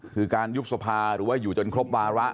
คือการยุบสภาหรือว่าอยู่จนครบวาระ